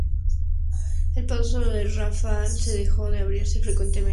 El paso de Rafah se dejó de abrirse frecuentemente tras este ataque.